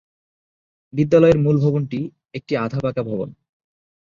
বিদ্যালয়ের মূল ভবনটি একটি আধা পাকা ভবন।